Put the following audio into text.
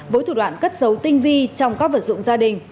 với thủ đoạn cất dấu tinh vi trong các vật dụng gia đình